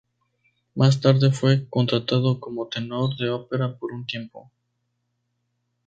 Más tarde fue contratado como tenor de ópera por un tiempo.